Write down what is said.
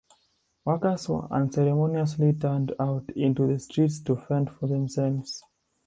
Workers were unceremoniously turned out into the street to fend for themselves.